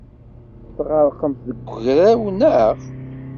Tɣerqemt deg ugaraw, naɣ?